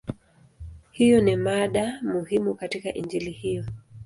Hiyo ni mada muhimu katika Injili hiyo.